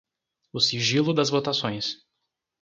o sigilo das votações;